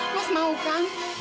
mas mau kan